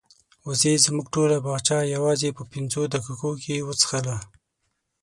وزې زموږ ټوله باغچه یوازې په پنځو دقیقو کې وڅښله.